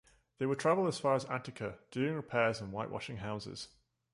They would travel as far as Attica doing repairs and white-washing houses.